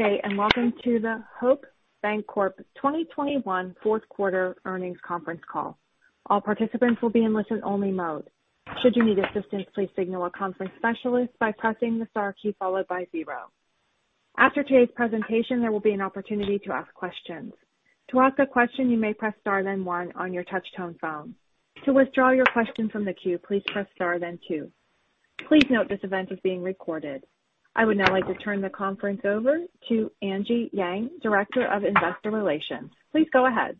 Good day, and welcome to the Hope Bancorp 2021 Q4 earnings conference call. All participants will be in listen-only mode. Should you need assistance, please signal a conference specialist by pressing the star key followed by zero. After today's presentation, there will be an opportunity to ask questions. To ask a question, you may press star then one on your touch-tone phone. To withdraw your question from the queue, please press star then two. Please note this event is being recorded. I would now like to turn the conference over to Angie Yang, Director of Investor Relations. Please go ahead.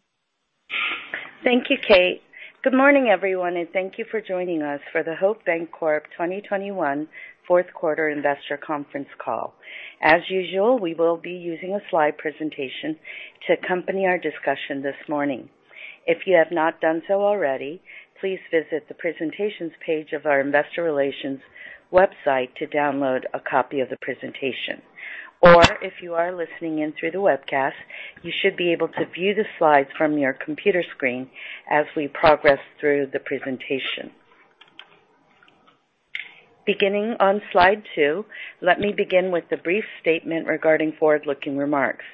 Thank you, Kate. Good morning, everyone, and thank you for joining us for the Hope Bancorp 2021 Q4 investor conference call. As usual, we will be using a slide presentation to accompany our discussion this morning. If you have not done so already, please visit the Presentations page of our investor relations website to download a copy of the presentation. Or if you are listening in through the webcast, you should be able to view the slides from your computer screen as we progress through the presentation. Beginning on slide two, let me begin with a brief statement regarding forward-looking remarks.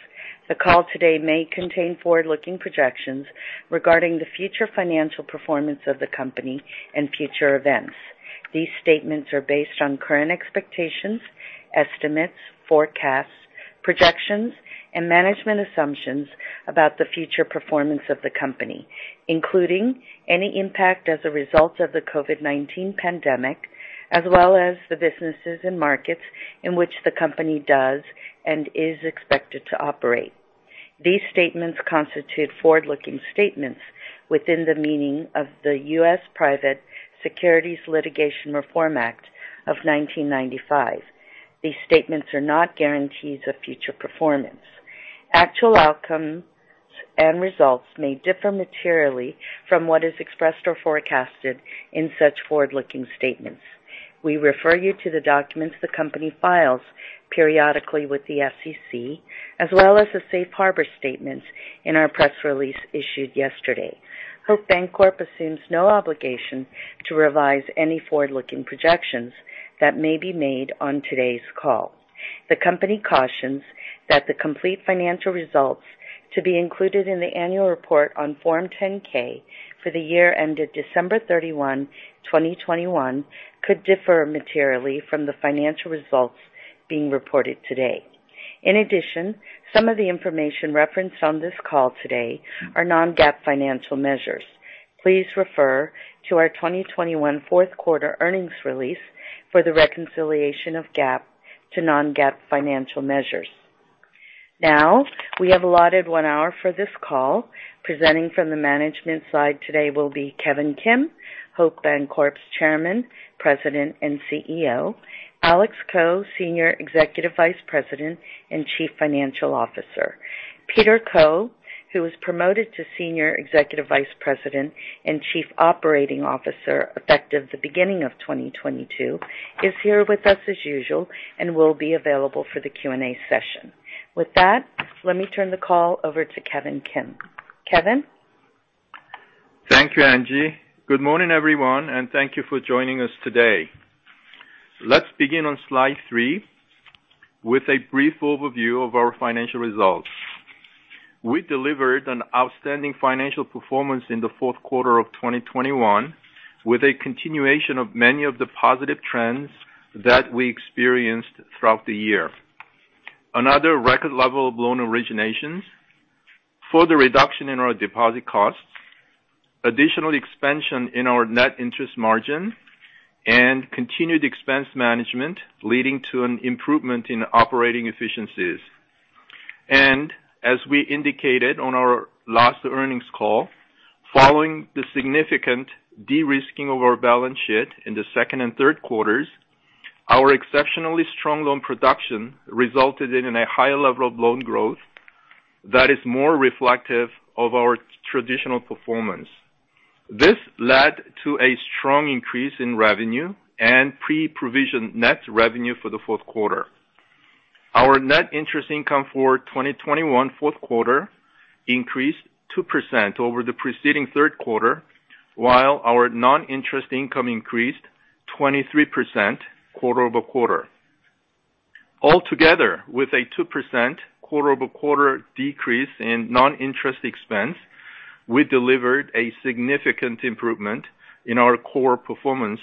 The call today may contain forward-looking projections regarding the future financial performance of the company and future events. These statements are based on current expectations, estimates, forecasts, projections, and management assumptions about the future performance of the company, including any impact as a result of the COVID-19 pandemic, as well as the businesses and markets in which the company does and is expected to operate. These statements constitute forward-looking statements within the meaning of the U.S. Private Securities Litigation Reform Act of 1995. These statements are not guarantees of future performance. Actual outcomes and results may differ materially from what is expressed or forecasted in such forward-looking statements. We refer you to the documents the company files periodically with the SEC, as well as the safe harbor statements in our press release issued yesterday. Hope Bancorp assumes no obligation to revise any forward-looking projections that may be made on today's call. The company cautions that the complete financial results to be included in the annual report on Form 10-K for the year ended December 31, 2021 could differ materially from the financial results being reported today. In addition, some of the information referenced on this call today are non-GAAP financial measures. Please refer to our 2021 Q4 earnings release for the reconciliation of GAAP to non-GAAP financial measures. Now, we have allotted one hour for this call. Presenting from the management side today will be Kevin Kim, Hope Bancorp's Chairman, President, and Chief Executive Officer. Alex Ko, Senior Executive Vice President and Chief Financial Officer. Peter Koh, who was promoted to Senior Executive Vice President and Chief Operating Officer effective the beginning of 2022, is here with us as usual and will be available for the Q&A session. With that, let me turn the call over to Kevin Kim. Kevin? Thank you, Angie. Good morning, everyone, and thank you for joining us today. Let's begin on slide three with a brief overview of our financial results. We delivered an outstanding financial performance in the Q4 of 2021, with a continuation of many of the positive trends that we experienced throughout the year. Another record level of loan originations, further reduction in our deposit costs, additional expansion in our net interest margin, and continued expense management, leading to an improvement in operating efficiencies. As we indicated on our last earnings call, following the significant de-risking of our balance sheet in the second and Q3s, our exceptionally strong loan production resulted in a higher level of loan growth that is more reflective of our traditional performance. This led to a strong increase in revenue and pre-provision net revenue for the Q4. Our net interest income for 2021 Q4 increased 2% over the preceding Q3, while our non-interest income increased 23% quarter-over-quarter. Altogether, with a 2% quarter-over-quarter decrease in non-interest expense, we delivered a significant improvement in our core performance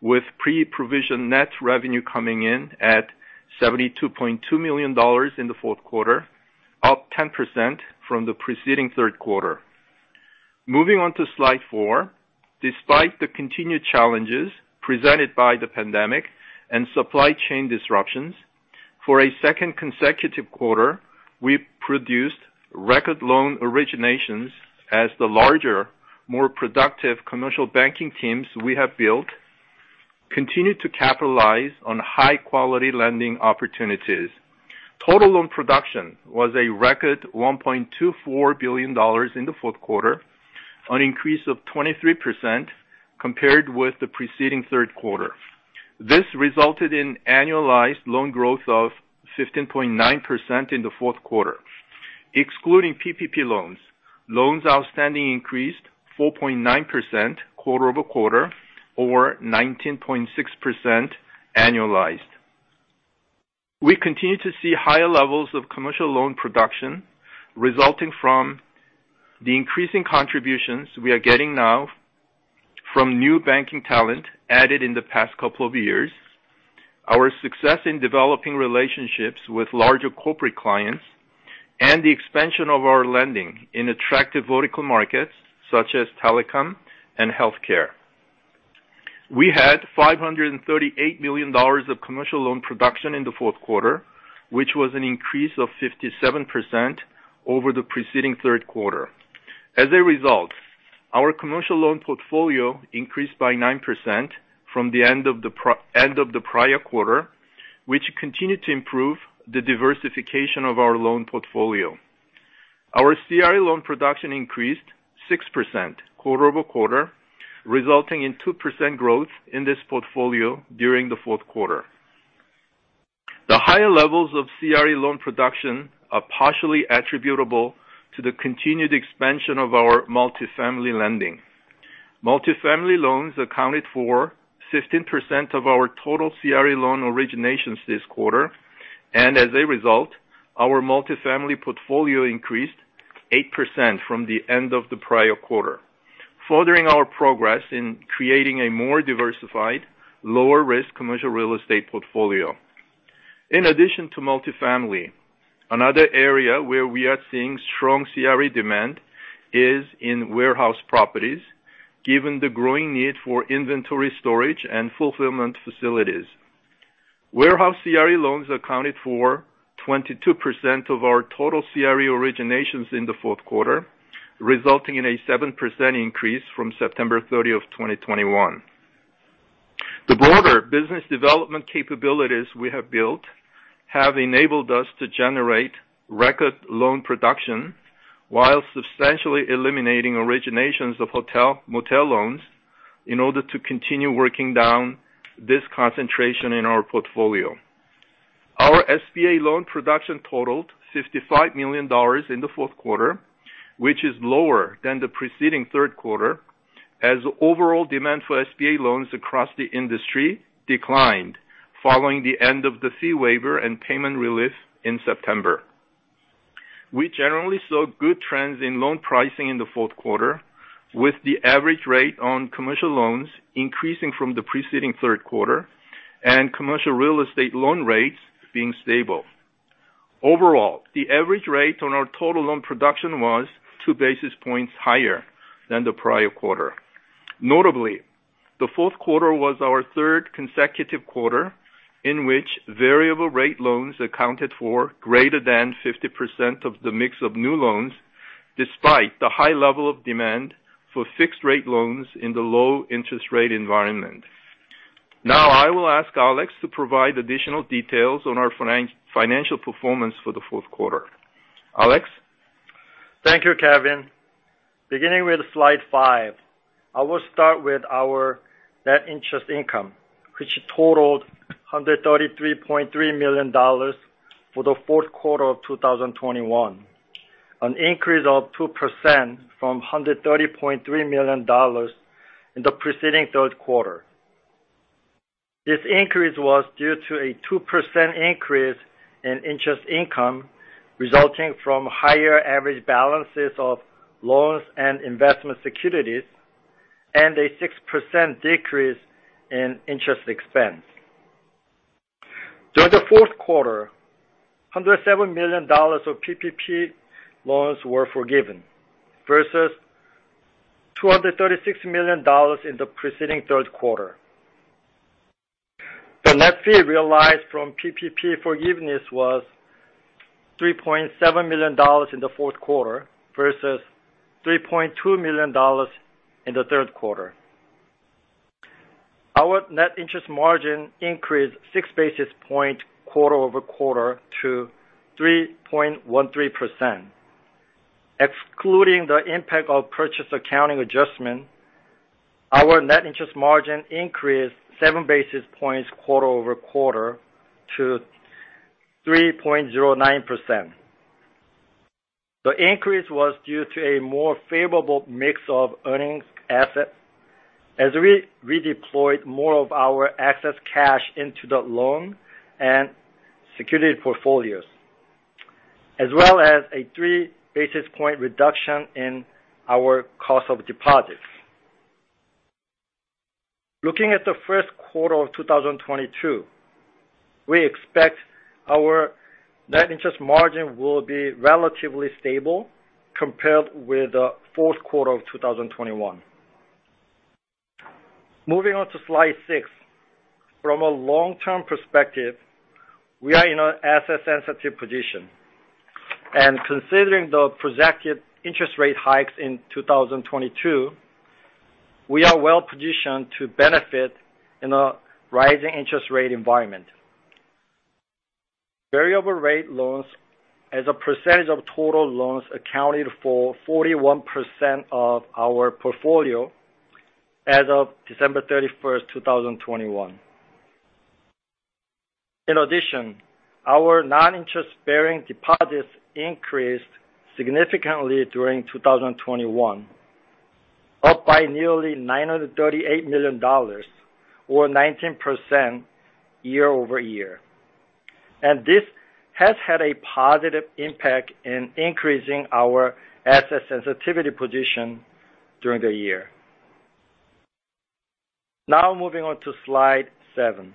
with pre-provision net revenue coming in at $72.2 million in the Q4, up 10% from the preceding Q3. Moving on to slide four. Despite the continued challenges presented by the pandemic and supply chain disruptions, for a second consecutive quarter, we produced record loan originations as the larger, more productive commercial banking teams we have built continue to capitalize on high-quality lending opportunities. Total loan production was a record $1.24 billion in the Q4, an increase of 23% compared with the preceding Q3. This resulted in annualized loan growth of 15.9% in the Q4. excluding PPP loans outstanding increased 4.9% quarter over quarter or 19.6% annualized. We continue to see higher levels of commercial loan production resulting from the increasing contributions we are getting now from new banking talent added in the past couple of years, our success in developing relationships with larger corporate clients, and the expansion of our lending in attractive vertical markets such as telecom and healthcare. We had $538 million of commercial loan production in the Q4, which was an increase of 57% over the preceding Q3. As a result, our commercial loan portfolio increased by 9% from the end of the prior quarter, which continued to improve the diversification of our loan portfolio. Our CRE loan production increased 6% quarter-over-quarter, resulting in 2% growth in this portfolio during the Q4. The higher levels of CRE loan production are partially attributable to the continued expansion of our multifamily lending. Multifamily loans accounted for 15% of our total CRE loan originations this quarter, and as a result, our multifamily portfolio increased 8% from the end of the prior quarter, furthering our progress in creating a more diversified, lower risk commercial real estate portfolio. In addition to multifamily, another area where we are seeing strong CRE demand is in warehouse properties, given the growing need for inventory storage and fulfillment facilities. Warehouse CRE loans accounted for 22% of our total CRE originations in the Q4, resulting in a 7% increase from September 30, 2021. The broader business development capabilities we have built have enabled us to generate record loan production while substantially eliminating originations of hotel-motel loans in order to continue working down this concentration in our portfolio. Our SBA loan production totaled $55 million in the Q4, which is lower than the preceding Q3, as overall demand for SBA loans across the industry declined following the end of the fee waiver and payment relief in September. We generally saw good trends in loan pricing in the Q4, with the average rate on commercial loans increasing from the preceding Q3 and commercial real estate loan rates being stable. Overall, the average rate on our total loan production was 2 basis points higher than the prior quarter. Notably, the Q4 was our third consecutive quarter in which variable rate loans accounted for greater than 50% of the mix of new loans, despite the high level of demand for fixed rate loans in the low interest rate environment. Now I will ask Alex to provide additional details on our financial performance for the Q4. Alex? Thank you, Kevin. Beginning with slide five, I will start with our net interest income, which totaled $133.3 million for the Q4 of 2021, an increase of 2% from $130.3 million in the preceding Q3. This increase was due to a 2% increase in interest income resulting from higher average balances of loans and investment securities, and a 6% decrease in interest expense. During the Q4, $107 million of PPP loans were forgiven, versus $236 million in the preceding Q3. The net fee realized from PPP forgiveness was $3.7 million in the Q4 versus $3.2 million in the Q3. Our net interest margin increased 6 basis points quarter-over-quarter to 3.13%. Excluding the impact of purchase accounting adjustment, our net interest margin increased 7 basis points quarter-over-quarter to 3.09%. The increase was due to a more favorable mix of earnings assets as we redeployed more of our excess cash into the loan and security portfolios, as well as a 3 basis point reduction in our cost of deposits. Looking at the Q1 of 2022, we expect our net interest margin will be relatively stable compared with the Q4 of 2021. Moving on to slide six. From a long-term perspective, we are in an asset sensitive position. Considering the projected interest rate hikes in 2022, we are well-positioned to benefit in a rising interest rate environment. Variable rate loans as a percentage of total loans accounted for 41% of our portfolio as of December 31, 2021. In addition, our non-interest-bearing deposits increased significantly during 2021, up by nearly $938 million or 19% year-over-year. This has had a positive impact in increasing our asset sensitivity position during the year. Now moving on to slide 7.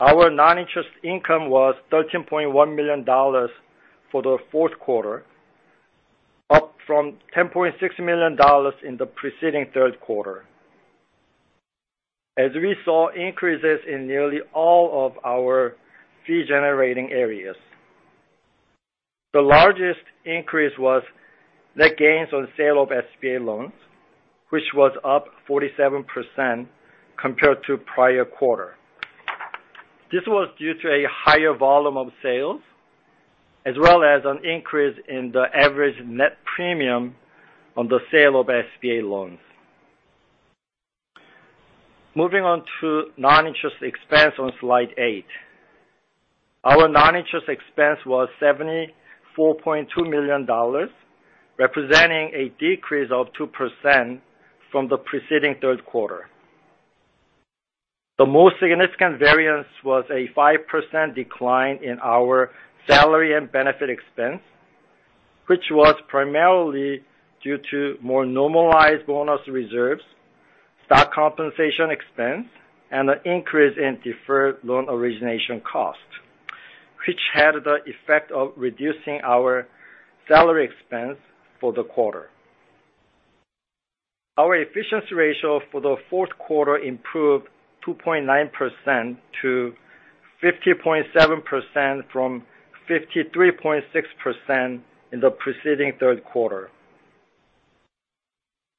Our non-interest income was $13.1 million for the Q4, up from $10.6 million in the preceding Q3, as we saw increases in nearly all of our fee-generating areas. The largest increase was net gains on sale of SBA loans, which was up 47% compared to prior quarter. This was due to a higher volume of sales, as well as an increase in the average net premium on the sale of SBA loans. Moving on to non-interest expense on slide eight. Our non-interest expense was $74.2 million, representing a decrease of 2% from the preceding Q3. The most significant variance was a 5% decline in our salary and benefit expense, which was primarily due to more normalized bonus reserves, stock compensation expense, and an increase in deferred loan origination cost, which had the effect of reducing our salary expense for the quarter. Our efficiency ratio for the Q4 improved 2.9% to 50.7% from 53.6% in the preceding Q3.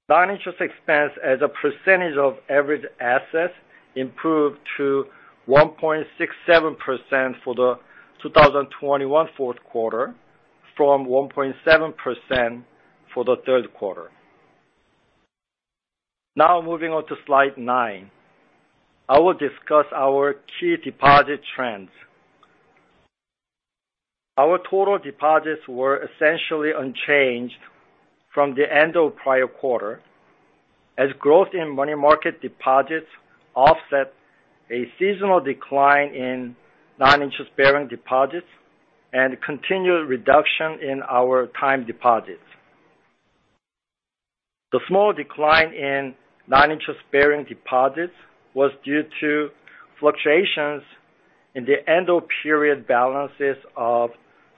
Non-interest expense as a percentage of average assets improved to 1.67% for the 2021 Q4 from 1.7% for the Q3. Now moving on to slide nine. I will discuss our key deposit trends. Our total deposits were essentially unchanged from the end of prior quarter as growth in money market deposits offset a seasonal decline in non-interest-bearing deposits and continued reduction in our time deposits. The small decline in non-interest-bearing deposits was due to fluctuations in the end of period balances of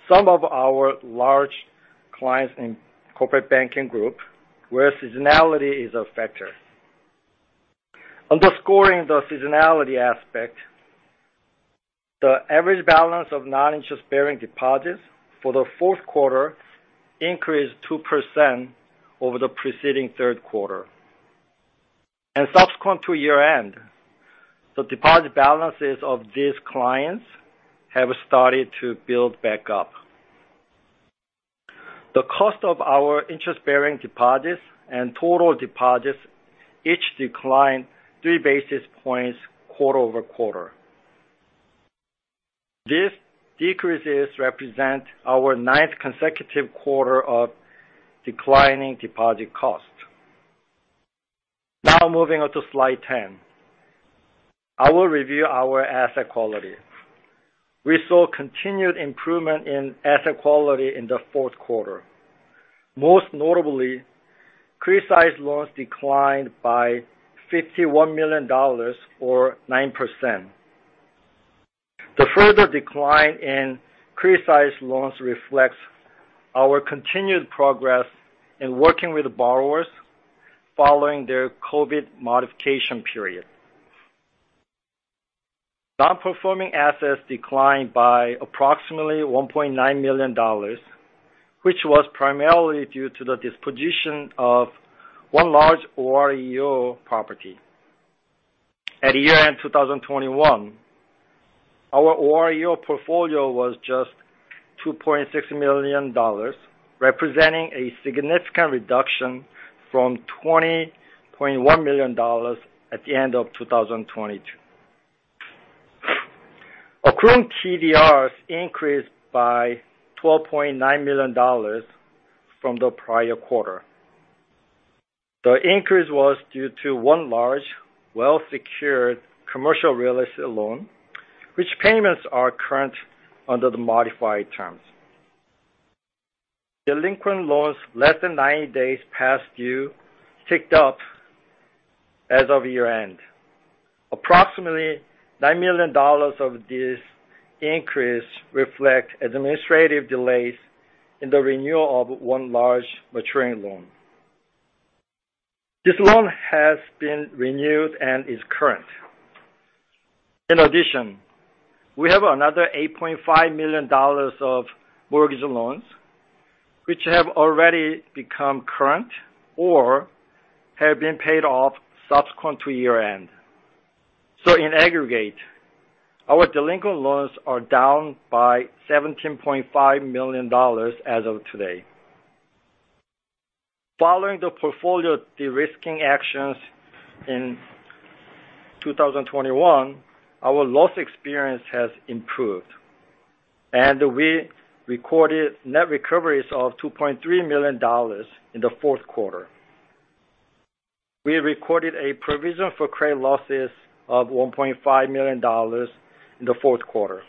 some of our large clients in corporate banking group, where seasonality is a factor. Underscoring the seasonality aspect, the average balance of non-interest-bearing deposits for the Q4 increased 2% over the preceding Q3. Subsequent to year-end, the deposit balances of these clients have started to build back up. The cost of our interest-bearing deposits and total deposits each declined 3 basis points quarter-over-quarter. These decreases represent our ninth consecutive quarter of declining deposit cost. Now moving on to slide 10. I will review our asset quality. We saw continued improvement in asset quality in the Q4. Most notably, criticized loans declined by $51 million or 9%. The further decline in criticized loans reflects our continued progress in working with borrowers following their COVID modification period. Non-performing assets declined by approximately $1.9 million, which was primarily due to the disposition of one large OREO property. At year-end 2021, our OREO portfolio was just $2.6 million, representing a significant reduction from $20.1 million at the end of 2020. Accruing TDRs increased by $12.9 million from the prior quarter. The increase was due to one large, well-secured commercial real estate loan, which payments are current under the modified terms. Delinquent loans less than 90 days past due ticked up as of year-end. Approximately $9 million of this increase reflect administrative delays in the renewal of one large maturing loan. This loan has been renewed and is current. In addition, we have another $8.5 million of mortgage loans, which have already become current or have been paid off subsequent to year-end. In aggregate, our delinquent loans are down by $17.5 million as of today. Following the portfolio de-risking actions in 2021, our loss experience has improved, and we recorded net recoveries of $2.3 million in the Q4. We recorded a provision for credit losses of $1.5 million in the Q4.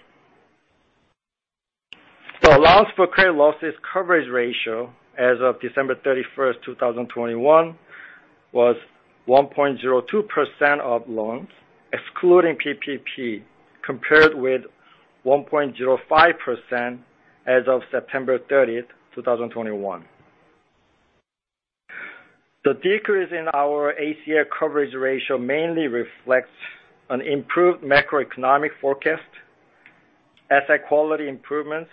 The allowance for credit losses coverage ratio as of December 31, 2021, was 1.02% of loans, excluding PPP, compared with 1.05% as of September 30, 2021. The decrease in our ACL coverage ratio mainly reflects an improved macroeconomic forecast, asset quality improvements,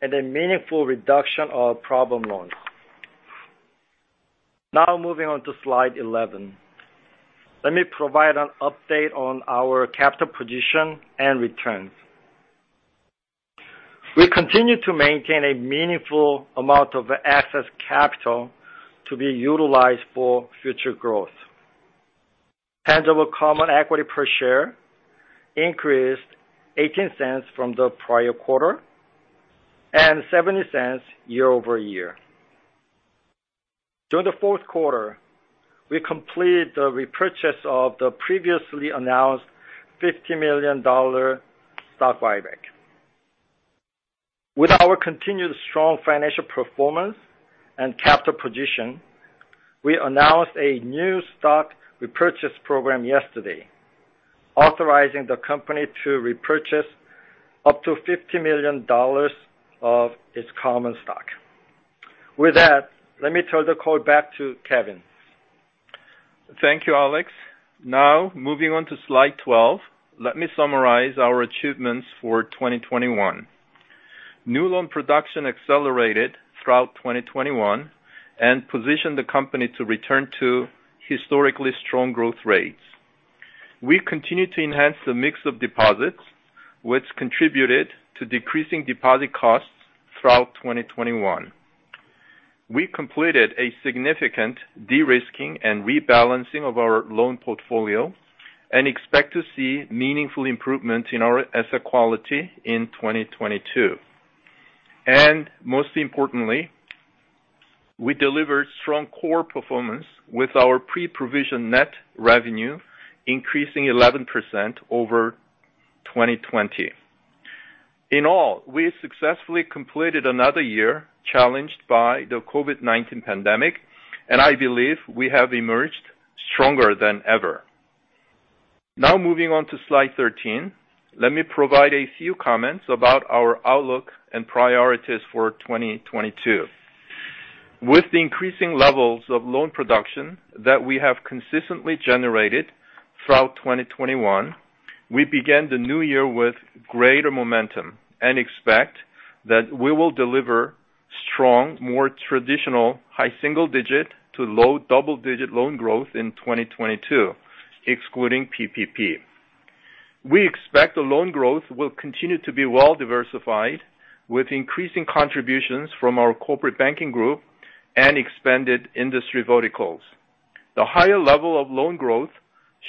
and a meaningful reduction of problem loans. Now moving on to slide 11. Let me provide an update on our capital position and returns. We continue to maintain a meaningful amount of excess capital to be utilized for future growth. Tangible common equity per share increased $0.18 from the prior quarter and $0.70 year over year. During the Q4, we completed the repurchase of the previously announced $50 million stock buyback. With our continued strong financial performance and capital position, we announced a new stock repurchase program yesterday, authorizing the company to repurchase up to $50 million of its common stock. With that, let me turn the call back to Kevin. Thank you, Alex. Now, moving on to slide 12, let me summarize our achievements for 2021. New loan production accelerated throughout 2021 and positioned the company to return to historically strong growth rates. We continue to enhance the mix of deposits, which contributed to decreasing deposit costs throughout 2021. We completed a significant de-risking and rebalancing of our loan portfolio and expect to see meaningful improvements in our asset quality in 2022. Most importantly, we delivered strong core performance with our pre-provision net revenue increasing 11% over 2020. In all, we successfully completed another year challenged by the COVID-19 pandemic, and I believe we have emerged stronger than ever. Now moving on to slide 13, let me provide a few comments about our outlook and priorities for 2022. With the increasing levels of loan production that we have consistently generated throughout 2021, we began the new year with greater momentum and expect that we will deliver strong, more traditional high single digit to low double-digit loan growth in 2022, excluding PPP. We expect the loan growth will continue to be well diversified, with increasing contributions from our corporate banking group and expanded industry verticals. The higher level of loan growth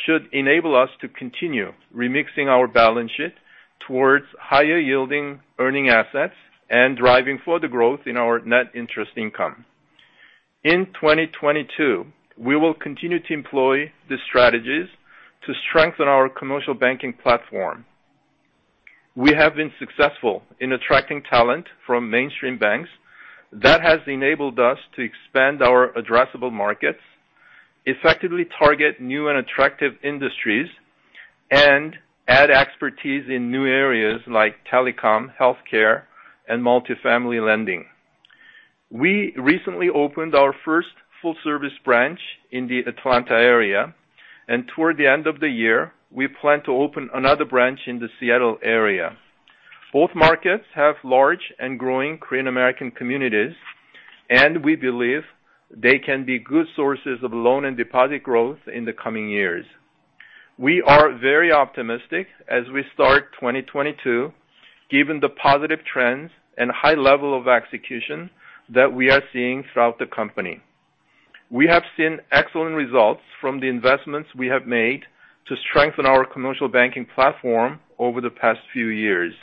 should enable us to continue remixing our balance sheet towards higher yielding earning assets and driving further growth in our net interest income. In 2022, we will continue to employ the strategies to strengthen our commercial banking platform. We have been successful in attracting talent from mainstream banks. That has enabled us to expand our addressable markets, effectively target new and attractive industries, and add expertise in new areas like telecom, healthcare, and multifamily lending. We recently opened our first full service branch in the Atlanta area, and toward the end of the year, we plan to open another branch in the Seattle area. Both markets have large and growing Korean-American communities, and we believe they can be good sources of loan and deposit growth in the coming years. We are very optimistic as we start 2022, given the positive trends and high level of execution that we are seeing throughout the company. We have seen excellent results from the investments we have made to strengthen our commercial banking platform over the past few years.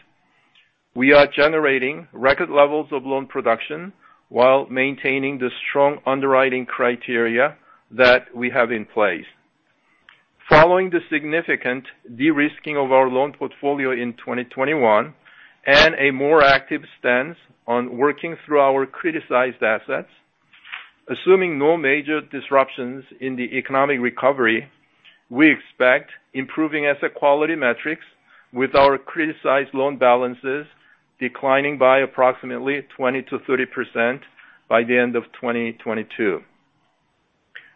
We are generating record levels of loan production while maintaining the strong underwriting criteria that we have in place. Following the significant de-risking of our loan portfolio in 2021 and a more active stance on working through our criticized assets, assuming no major disruptions in the economic recovery, we expect improving asset quality metrics with our criticized loan balances declining by approximately 20%-30% by the end of 2022.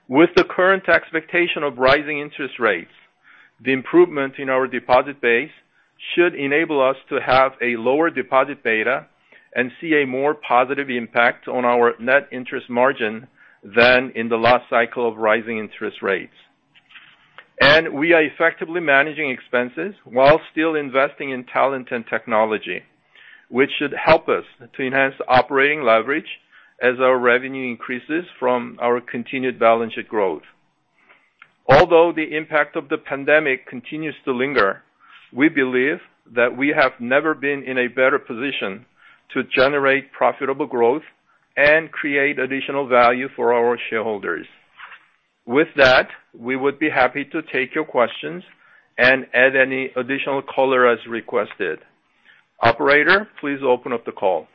With the current expectation of rising interest rates, the improvement in our deposit base should enable us to have a lower deposit beta and see a more positive impact on our net interest margin than in the last cycle of rising interest rates. We are effectively managing expenses while still investing in talent and technology, which should help us to enhance operating leverage as our revenue increases from our continued balance sheet growth. Although the impact of the pandemic continues to linger, we believe that we have never been in a better position to generate profitable growth and create additional value for our shareholders. With that, we would be happy to take your questions and add any additional color as requested. Operator, please open up the call.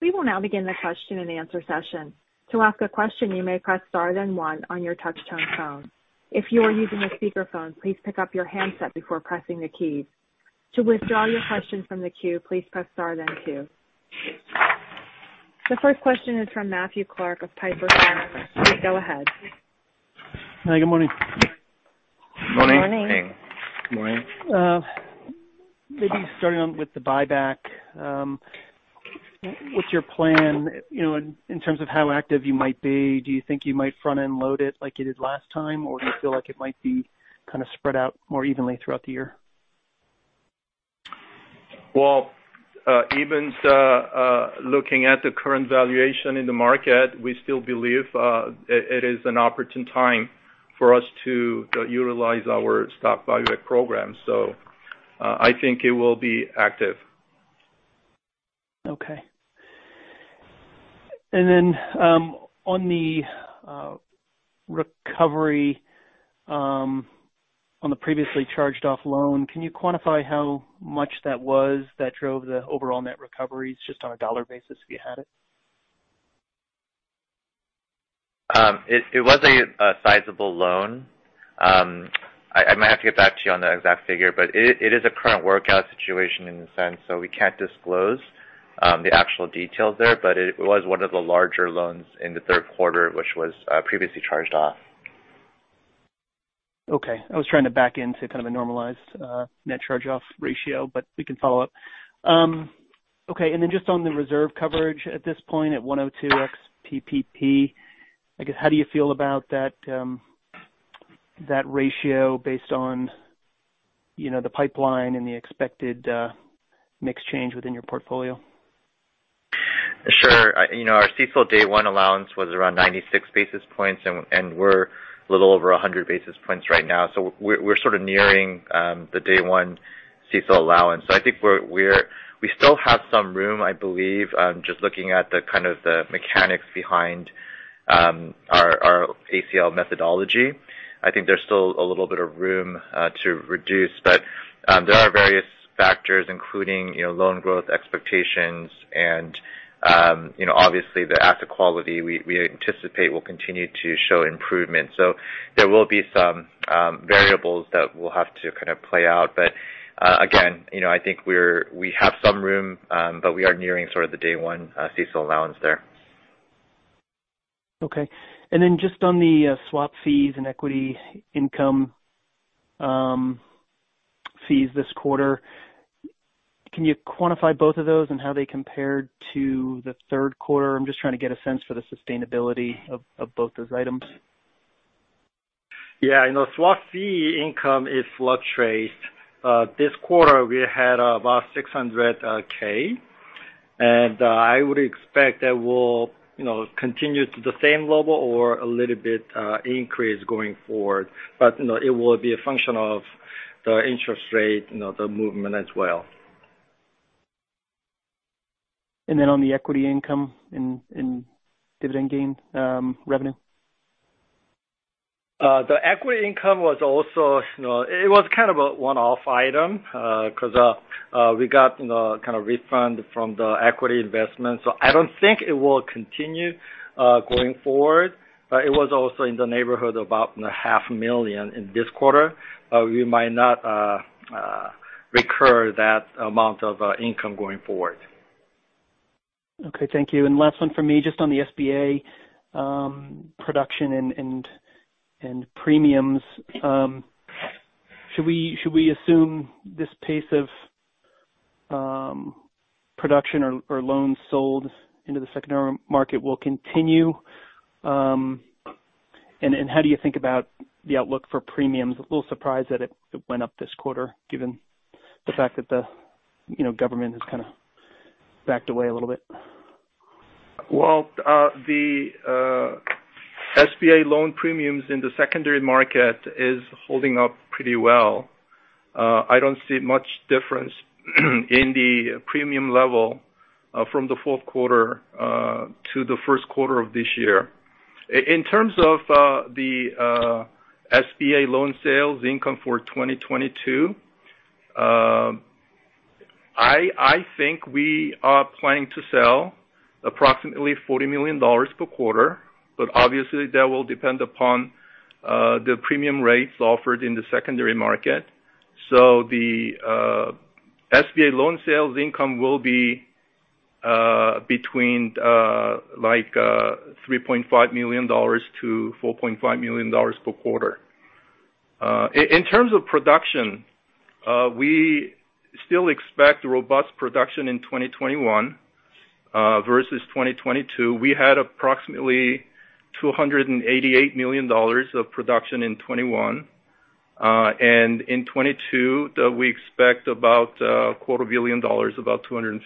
We will now begin the Q&A session. To ask a question, you may press star one on your touchtone phone. If you are using a speakerphone, please pick up your handset before pressing the key. To withdraw your question from the queue, please press star then two. The first question is from Matthew Clark of Piper Sandler. Go ahead. Hi, good morning. Morning. Morning. Maybe starting on with the buyback. What's your plan, you know, in terms of how active you might be? Do you think you might front end load it like you did last time? Or do you feel like it might be kind of spread out more evenly throughout the year? Well, even looking at the current valuation in the market, we still believe it is an opportune time for us to utilize our stock buyback program. I think it will be active. Okay. On the recovery on the previously charged off loan, can you quantify how much that was that drove the overall net recoveries just on a dollar basis, if you had it? It was a sizable loan. I might have to get back to you on the exact figure, but it is a current workout situation in a sense, so we can't disclose the actual details there. It was one of the larger loans in the Q3, which was previously charged off. Okay. I was trying to back into kind of a normalized net charge off ratio, but we can follow up. Okay, and then just on the reserve coverage at this point at 102x PPP, I guess, how do you feel about that ratio based on, you know, the pipeline and the expected mix change within your portfolio? Sure. You know, our CECL day one allowance was around 96 basis points, and we're a little over 100 basis points right now. We're sort of nearing the day one CECL allowance. I think we still have some room, I believe, just looking at the kind of the mechanics behind our ACL methodology. I think there's still a little bit of room to reduce. There are various factors, including, you know, loan growth expectations and, you know, obviously the asset quality we anticipate will continue to show improvement. There will be some variables that will have to kind of play out. Again, you know, I think we have some room, but we are nearing sort of the day one CECL allowance there. Okay. Just on the swap fees and equity income fees this quarter, can you quantify both of those and how they compared to the Q3? I'm just trying to get a sense for the sustainability of both those items. Yeah, you know, swap fee income is fluctuated. This quarter we had about $600,000, and I would expect that we'll, you know, continue to the same level or a little bit increase going forward. But, you know, it will be a function of the interest rate, you know, the movement as well. On the equity income in dividend gain revenue. The equity income was also, you know, it was kind of a one-off item, 'cause we got, you know, kind of refund from the equity investment. I don't think it will continue going forward. It was also in the neighborhood of about $ half a million in this quarter. We might not recur that amount of income going forward. Okay, thank you. Last one for me, just on the SBA, production and premiums. Should we assume this pace of production or loans sold into the secondary market will continue? How do you think about the outlook for premiums? I'm a little surprised that it went up this quarter, given the fact that the, you know, government has kinda backed away a little bit. Well, the SBA loan premiums in the secondary market is holding up pretty well. I don't see much difference in the premium level from the Q4 to the Q1 of this year. In terms of the SBA loan sales income for 2022, I think we are planning to sell approximately $40 million per quarter, but obviously that will depend upon the premium rates offered in the secondary market. The SBA loan sales income will be between like $3.5 million-$4.5 million per quarter. In terms of production, we still expect robust production in 2021 versus 2022. We had approximately $288 million of production in 2021. In 2022, we expect about quarter billion dollars, about $250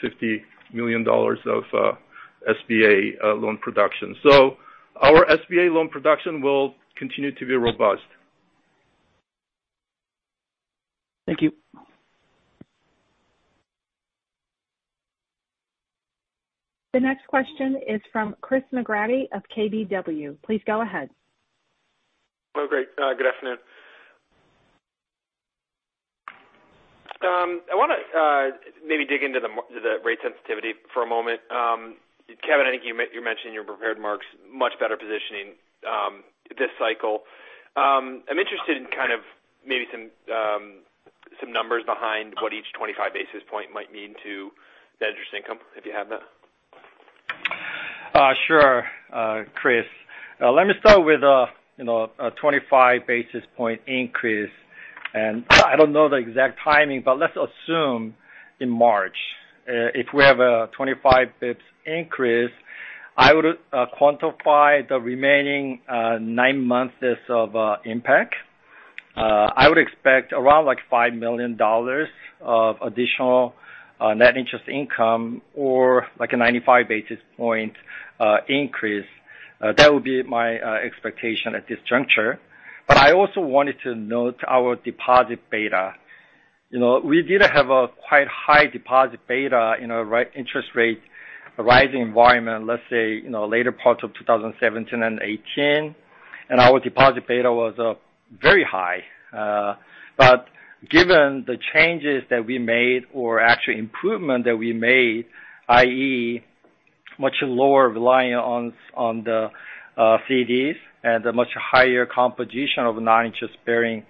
million of SBA loan production. Our SBA loan production will continue to be robust. Thank you. The next question is from Chris McGratty of KBW. Please go ahead. Oh, great. Good afternoon. I wanna maybe dig into the rate sensitivity for a moment. Kevin, I think you mentioned in your prepared remarks much better positioning this cycle. I'm interested in kind of maybe some numbers behind what each 25 basis point might mean to the interest income, if you have that. Sure, Chris. Let me start with, you know, a 25 basis point increase, and I don't know the exact timing, but let's assume in March. If we have a 25 basis points increase, I would quantify the remaining nine months as of impact. I would expect around like $5 million of additional net interest income or like a 95 basis point increase. That would be my expectation at this juncture. I also wanted to note our deposit beta. You know, we did have a quite high deposit beta in a interest rate rising environment, let's say, you know, later parts of 2017 and 2018. Our deposit beta was very high. But given the changes that we made or actual improvement that we made, i.e. Much lower relying on the CDs and a much higher composition of non-interest bearing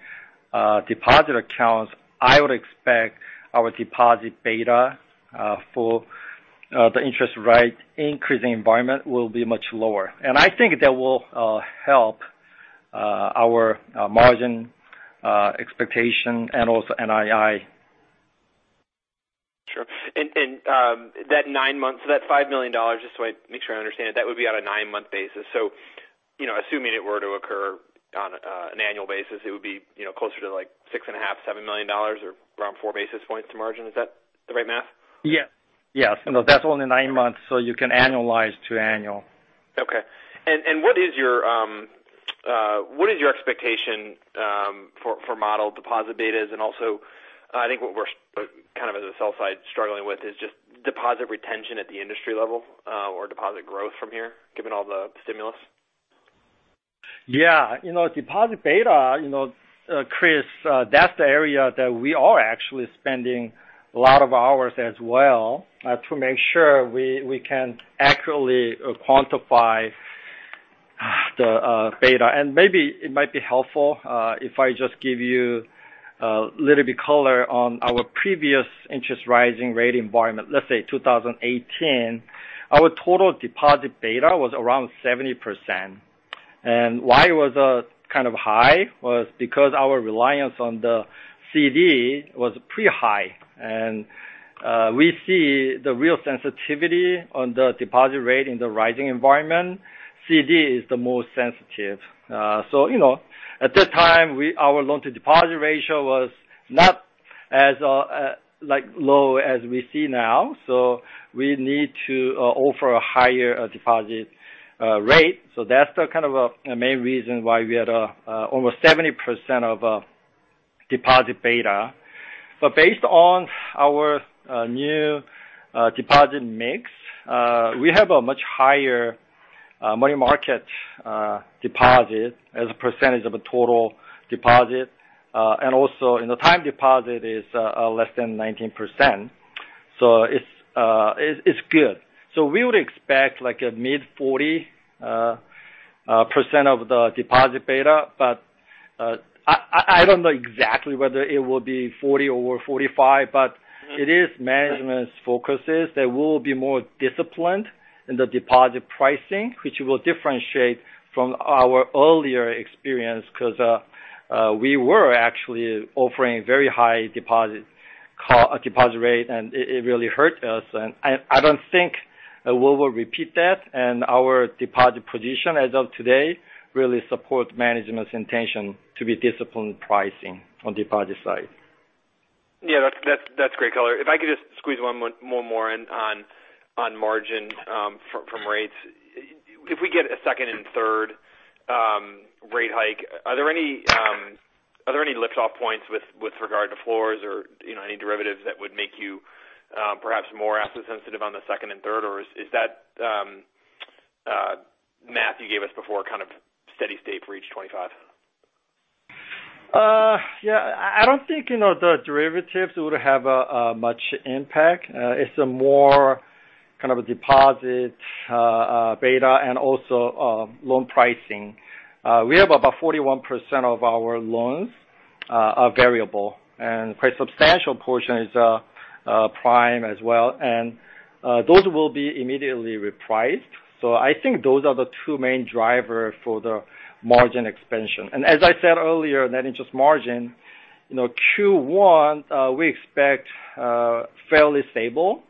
deposit accounts, I would expect our deposit beta for the interest rate increase in environment will be much lower. I think that will help our margin expectation and also NII. Sure. That nine months, so that $5 million, just so I make sure I understand it, that would be on a nine-month basis. You know, assuming it were to occur on an annual basis, it would be, you know, closer to like $6.5-$7 million or around 4 basis points to margin. Is that the right math? Yes. No, that's only nine months, so you can annualize to annual. Okay. What is your expectation for model deposit betas? Also, I think what we're kind of as a sell-side struggling with is just deposit retention at the industry level or deposit growth from here, given all the stimulus. Yeah. You know, deposit beta, you know, Chris, that's the area that we are actually spending a lot of hours as well, to make sure we can accurately quantify the beta. Maybe it might be helpful if I just give you a little bit color on our previous rising interest rate environment. Let's say 2018, our total deposit beta was around 70%. Why it was kind of high was because our reliance on the CD was pretty high. We see the real sensitivity on the deposit rate in the rising environment. CD is the most sensitive. You know, at that time, our loan to deposit ratio was not as like low as we see now, so we need to offer a higher deposit rate. That's the kind of main reason why we had almost 70% deposit beta. Based on our new deposit mix, we have a much higher money market deposit as a percentage of a total deposit. And also the time deposit is less than 19%. It's good. We would expect like a mid 40% deposit beta. I don't know exactly whether it will be 40 or 45, but it is management's focus is that we'll be more disciplined in the deposit pricing, which will differentiate from our earlier experience, 'cause we were actually offering very high deposit rate, and it really hurt us. I don't think that we will repeat that, and our deposit position as of today really supports management's intention to be disciplined pricing on deposit side. Yeah, that's great color. If I could just squeeze one more in on margin from rates. If we get a second and third rate hike, are there any lift off points with regard to floors or any derivatives that would make you perhaps more asset sensitive on the second and third, or is that math you gave us before kind of steady state for each 2025? Yeah. I don't think, you know, the derivatives would have a much impact. It's more kind of a deposit beta and also loan pricing. We have about 41% of our loans are variable and quite substantial portion is prime as well. Those will be immediately repriced. I think those are the two main driver for the margin expansion. As I said earlier, net interest margin, you know, Q1 we expect fairly stable.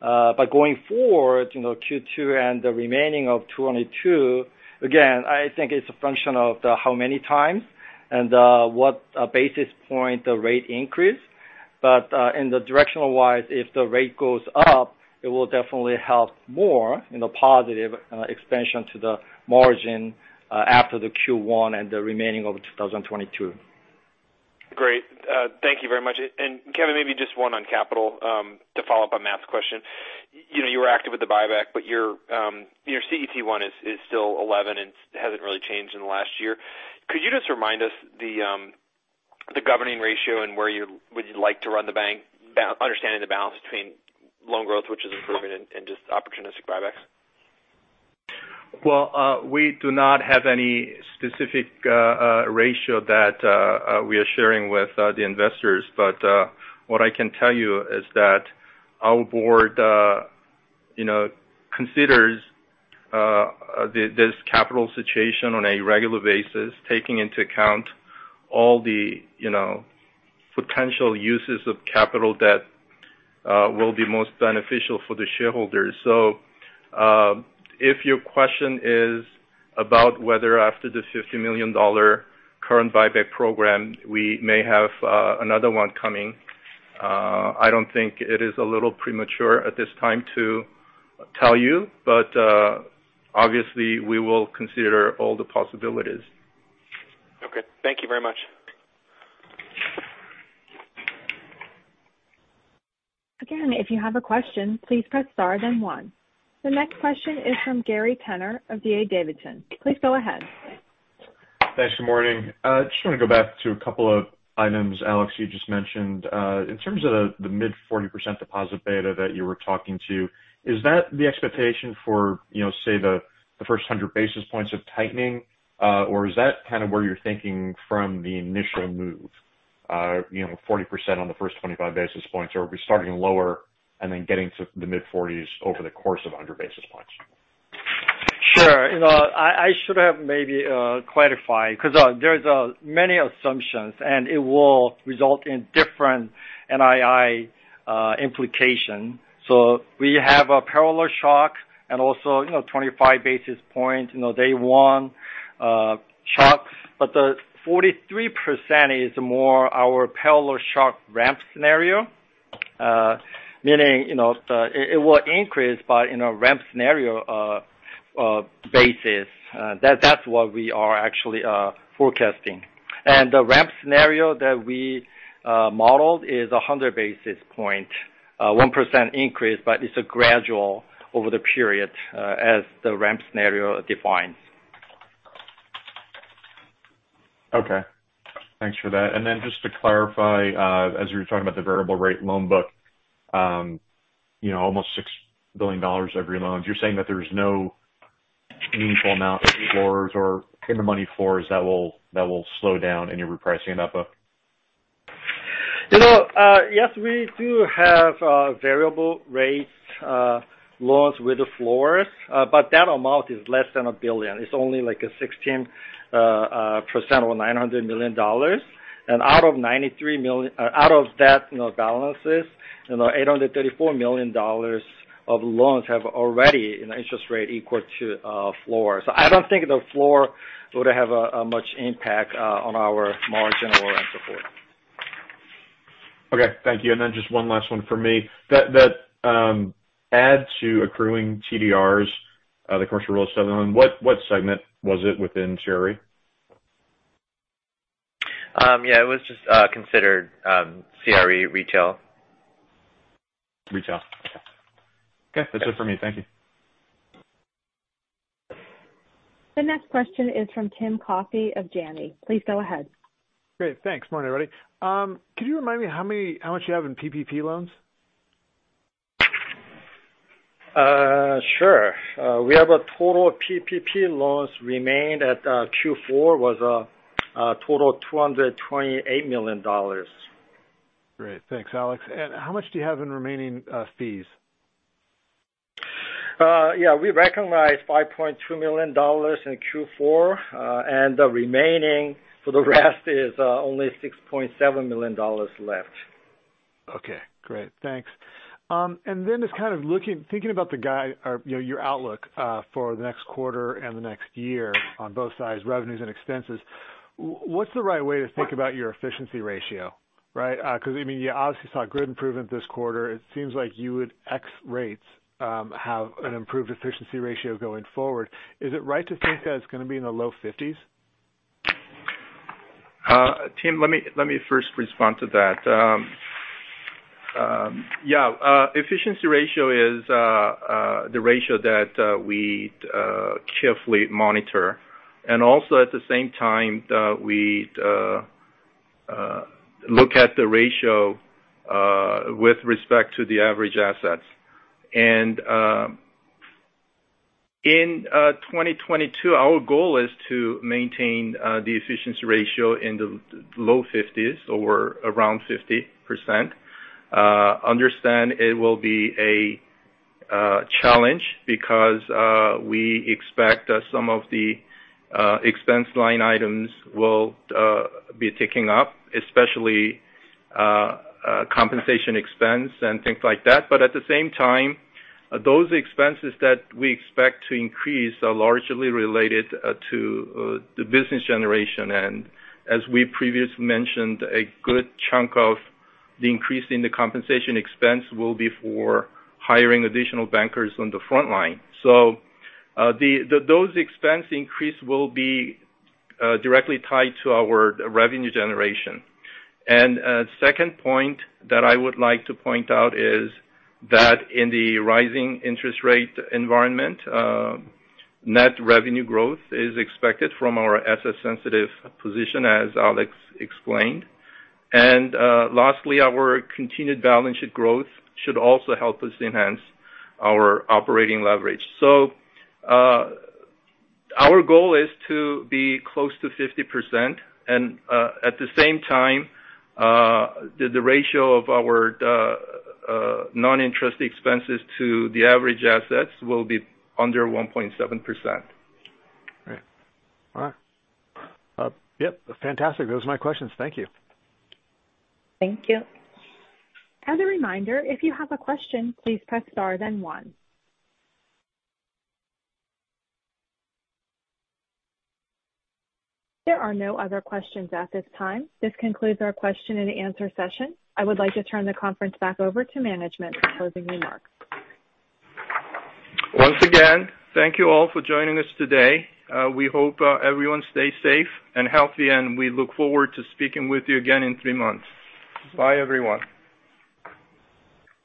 But going forward, you know, Q2 and the remaining of 2022, again, I think it's a function of the how many times and what basis point the rate increase. Directionally wise, if the rate goes up, it will definitely help more in the positive expansion of the margin after Q1 and the remainder of 2022. Great. Thank you very much. And Kevin, maybe just one on capital, to follow up on Matt's question. You know, you were active with the buyback, but your CET1 is still 11 and hasn't really changed in the last year. Could you just remind us the governing ratio and where you would like to run the bank, understanding the balance between loan growth which is improving and just opportunistic buybacks? Well, we do not have any specific ratio that we are sharing with the investors. What I can tell you is that our board, you know, considers this capital situation on a regular basis, taking into account all the, you know, potential uses of capital that will be most beneficial for the shareholders. If your question is about whether after the $50 million current buyback program, we may have another one coming, I don't think it is a little premature at this time to tell you, but obviously we will consider all the possibilities. Okay. Thank you very much. Again, if you have a question, please press star then one. The next question is from Gary Tenner of D.A. Davidson. Please go ahead. Thanks. Good morning. Just wanna go back to a couple of items, Alex, you just mentioned. In terms of the mid-40% deposit beta that you were talking to, is that the expectation for, you know, say the first 100 basis points of tightening? Or is that kind of where you're thinking from the initial move, you know, 40% on the first 25 basis points, or are we starting lower and then getting to the mid-40s over the course of 100 basis points? Sure. You know, I should have maybe clarified because there's many assumptions, and it will result in different NII implication. We have a parallel shock and also, you know, 25 basis points, you know, day one shocks. The 43% is more our parallel shock ramp scenario, meaning, you know, it will increase by in a ramp scenario basis. That's what we are actually forecasting. The ramp scenario that we modeled is a 100 basis point, 1% increase, but it's a gradual over the period, as the ramp scenario defines. Okay. Thanks for that. Just to clarify, as you were talking about the variable rate loan book, you know, almost $6 billion of your loans, you're saying that there's no meaningful amount of floors or in the money floors that will slow down any repricing in that book? You know, yes, we do have variable rates loans with the floors, but that amount is less than $1 billion. It's only like 16% or $900 million. Out of that, you know, balances, you know, $834 million of loans have already an interest rate equal to floor. I don't think the floor would have a much impact on our margin or ramp forward. Okay, thank you. Just one last one from me. That addition to accruing TDRs, the commercial real estate loan, what segment was it within CRE? Yeah, it was just considered CRE retail. Retail. Okay. That's it for me. Thank you. The next question is from Timothy Coffey of Janney. Please go ahead. Great. Thanks. Morning, everybody. Could you remind me how much you have in PPP loans? Sure. Total PPP loans remained at $228 million in Q4. Great. Thanks, Alex. How much do you have in remaining fees? We recognized $5.2 million in Q4, and the remaining for the rest is only $6.7 million left. Okay, great. Thanks. And then just kind of thinking about the guide or, you know, your outlook, for the next quarter and the next year on both sides, revenues and expenses, what's the right way to think about your efficiency ratio, right? 'Cause, I mean, you obviously saw good improvement this quarter. It seems like you would, ex rates, have an improved efficiency ratio going forward. Is it right to think that it's gonna be in the low 50s%? Tim, let me first respond to that. Yeah, efficiency ratio is the ratio that we carefully monitor. Also at the same time that we look at the ratio with respect to the average assets. In 2022, our goal is to maintain the efficiency ratio in the low 50s or around 50%. I understand it will be a challenge because we expect some of the expense line items will be ticking up, especially compensation expense and things like that. At the same time, those expenses that we expect to increase are largely related to the business generation. As we previously mentioned, a good chunk of the increase in the compensation expense will be for hiring additional bankers on the front line. Those expense increase will be directly tied to our revenue generation. A second point that I would like to point out is that in the rising interest rate environment, net revenue growth is expected from our asset sensitive position, as Alex explained. Lastly, our continued balance sheet growth should also help us enhance our operating leverage. Our goal is to be close to 50% and, at the same time, the ratio of our non-interest expenses to the average assets will be under 1.7%. All right. Yep. Fantastic. Those are my questions. Thank you. Thank you. As a reminder, if you have a question, please press star then one. There are no other questions at this time. This concludes our Q&A session. I would like to turn the conference back over to management for closing remarks. Once again, thank you all for joining us today. We hope everyone stays safe and healthy, and we look forward to speaking with you again in three months. Bye everyone.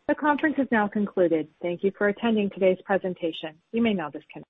The conference is now concluded. Thank you for attending today's presentation. You may now disconnect.